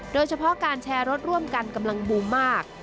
โดยเฉพาะการแชร์รถร่วมกันกำลังบูมมาก